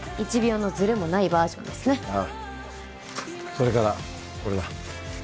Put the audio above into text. それからこれだ。